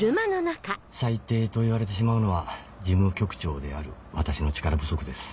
最低と言われてしまうのは事務局長である私の力不足です。